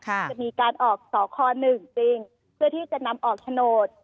จะมีการออกสค๑จริงเพื่อที่จะนำออกโฉนด